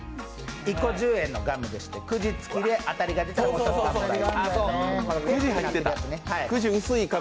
１個１０円のガムでしてくじつきで当たりが出たらもう一個。